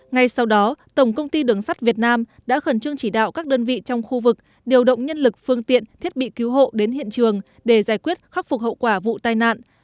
ngay sau đó tổng công ty đường sắt việt nam đã khẩn trương chỉ đạo các đơn vị trong khu vực điều động nhân lực phương tiện thiết bị cứu hộ đến hiện trường để giải quyết khắc phục hậu quả vụ tai nạn